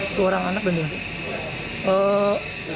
dua orang anak beneran